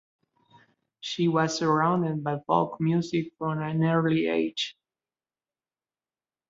She was surrounded by folk music from an early age.